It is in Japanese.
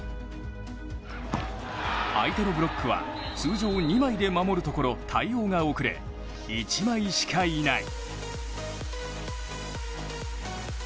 相手のブロックは通常二枚で守るところ、対応が遅れ一枚しかいない。